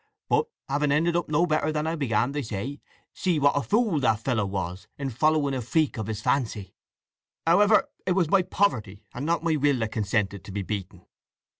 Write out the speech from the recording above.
But having ended no better than I began they say: 'See what a fool that fellow was in following a freak of his fancy!' "However it was my poverty and not my will that consented to be beaten.